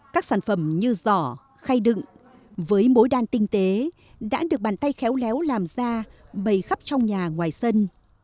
các sản phẩm như giỏ khay đựng với mối đan tinh tế đã được bàn tay khéo léo làm ra bầy khắp trong nhà ngoài sân